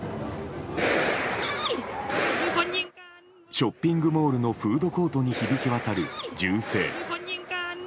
ショッピングモールのフードコートに響き渡る銃声。